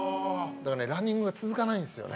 だから、ランニングが続かないんですよね。